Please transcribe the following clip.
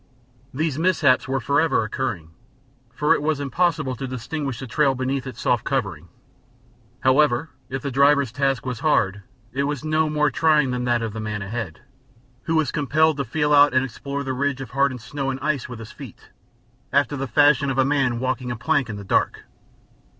These mishaps were forever occurring, for it was impossible to distinguish the trail beneath its soft covering. However, if the driver's task was hard it was no more trying than that of the man ahead, who was compelled to feel out and explore the ridge of hardened snow and ice with his feet, after the fashion of a man walking a plank in the dark.